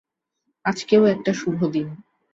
আজকেও একটা শুভ দিন।